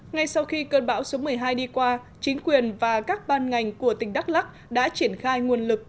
ngay sau khi cơn bão số một mươi hai đi qua chính quyền và các ban ngành của tỉnh đắk lắc đã triển khai nguồn lực